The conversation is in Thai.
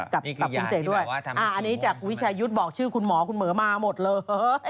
กับคุณเสกด้วยอันนี้จากวิชายุทธ์บอกชื่อคุณหมอคุณหมอมาหมดเลย